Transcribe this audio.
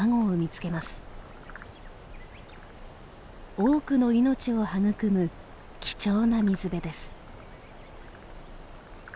多くの命を育む貴重な水辺です。